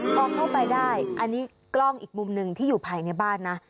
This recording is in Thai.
พอเข้าไปได้อันนี้กล้องอีกมุมหนึ่งที่อยู่ภายในบ้านนะ